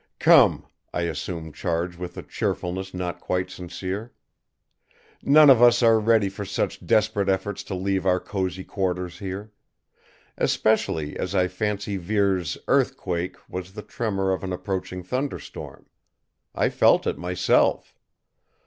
"Come!" I assumed charge with a cheerfulness not quite sincere. "None of us are ready for such desperate efforts to leave our cozy quarters here. Especially as I fancy Vere's 'earthquake' was the tremor of an approaching thunderstorm. I felt it, myself.